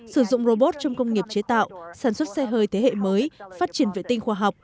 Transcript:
sử dụng robot trong công nghiệp chế tạo sản xuất xe hơi thế hệ mới phát triển vệ tinh khoa học